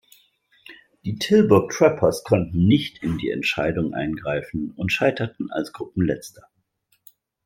Die Tilburg Trappers konnten nicht in die Entscheidung eingreifen und scheiterten als Gruppenletzter.